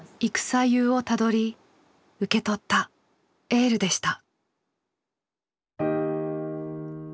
戦世をたどり受け取ったエールでした。